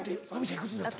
いくつになったの？